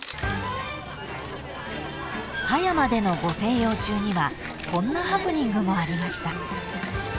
［葉山でのご静養中にはこんなハプニングもありました］